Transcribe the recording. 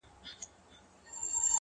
ژوند ټوله پند دی-